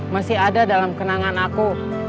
masih ada dalam kenangan aku